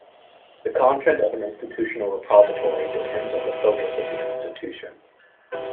The content of an institutional repository depends on the focus of the institution.